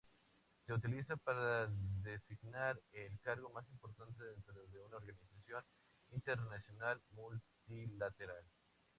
Se utiliza para designar el cargo más importante dentro de una organización internacional multilateral.